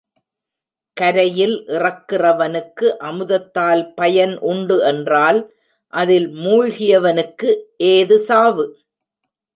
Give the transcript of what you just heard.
கரையில் இறக்கிறவனுக்கு அமுதத்தால் பயன் உண்டு என்றால் அதில் மூழ்கியவனுக்கு ஏது சாவு?